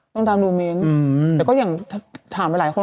ต้องตามดูเมนต์แต่ก็อย่างถามหลายคน